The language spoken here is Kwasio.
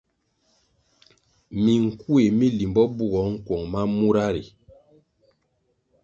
Minkuéh mi limbo bugoh nkuong ma mura ri.